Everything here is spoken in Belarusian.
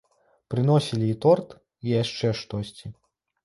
Прыносілі і торт, і яшчэ штосьці.